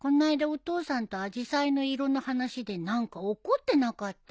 お父さんとアジサイの色の話で何か怒ってなかった？